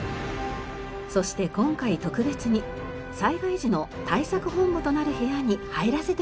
そして今回特別に災害時の対策本部となる部屋に入らせてもらいました。